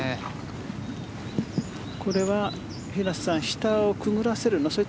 これは下をくぐらせるの？